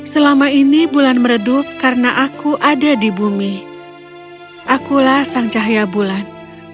selama ini bulan meredup karena aku ada di bumi akulah sang cahaya bulan